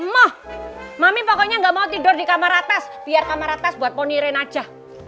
mami pokoknya nggak mau tidur di kamar atas biar kamar atas buat poniren aja